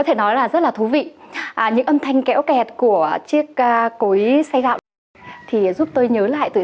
thể nói là rất là thú vị những âm thanh kéo kẹt của chiếc cối xe gạo thì giúp tôi nhớ lại tuổi